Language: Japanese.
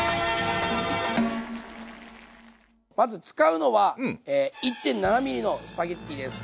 まず使うのは１．７ｍｍのスパゲッティです。